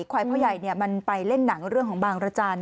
ควายพ่อใหญ่มันไปเล่นหนังเรื่องของบางรจันทร์